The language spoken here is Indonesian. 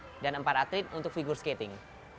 ada empat atlet skating dan empat atlet untuk figure skating